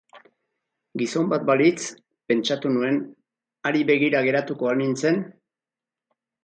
Gizon bat balitz, pentsatu nuen, hari begira geratuko al nintzen?